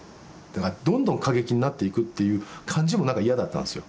どんどん過激になっていくっていう感じもなんか嫌だったんですよ。